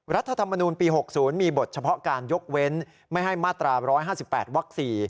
รัฐธรรมนูลปี๖๐มีบทเฉพาะการยกเว้นไม่ให้มาตรา๑๕๘วัก๔